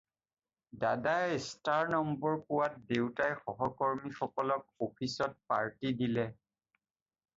দাদাই ষ্টাৰ নম্বৰ পোৱাত দেউতাই সহকৰ্মী সকলক অফিচত পাৰ্টী দিলে।